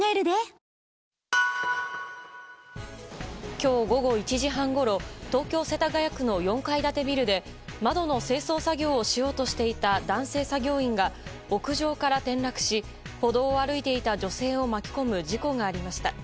今日午後１時半ごろ東京・世田谷区の４階建てビルで窓の清掃作業をしようとしていた男性作業員が屋上から転落し歩道を歩いていた女性を巻き込む事故がありました。